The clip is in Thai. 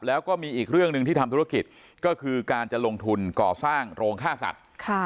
แล้วก็มีอีกเรื่องหนึ่งที่ทำธุรกิจก็คือการจะลงทุนก่อสร้างโรงฆ่าสัตว์